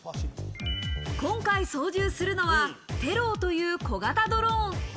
今回操縦するのはＴｅｌｌｏという小型ドローン。